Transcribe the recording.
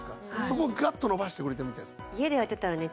そこをガッと伸ばしてくれてるみたいです。